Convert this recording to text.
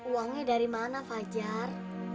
uangnya dari mana fajar